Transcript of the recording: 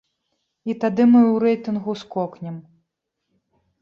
І тады мы ў рэйтынгу скокнем!